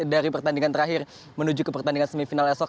dari pertandingan terakhir menuju ke pertandingan semifinal esok